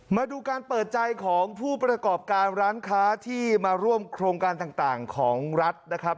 มาดูการเปิดใจของผู้ประกอบการร้านค้าที่มาร่วมโครงการต่างของรัฐนะครับ